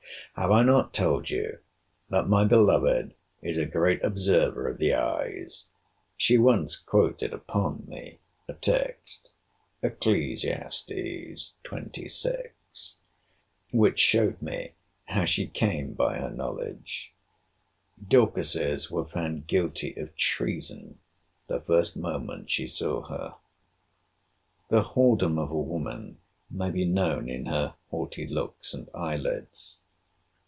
Have I not told you, that my beloved is a great observer of the eyes? She once quoted upon me a text,* which showed me how she came by her knowledge—Dorcas's were found guilty of treason the first moment she saw her. * Eccles. xxvi. The whoredom of a woman may be known in her haughty looks and eye lids.